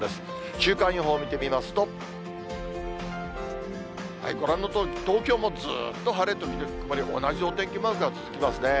週間予報を見てみますと、ご覧のとおり、東京もずっと晴れ時々曇り、同じお天気マークが続きますね。